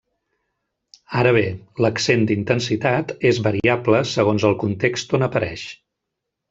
Ara bé, l'accent d'intensitat és variable segons el context on apareix.